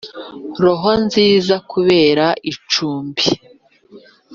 roho nziza nkubere icumbi